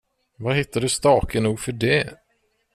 Var hittade du stake nog för det?